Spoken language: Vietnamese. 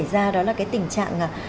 xảy ra đó là cái tình trạng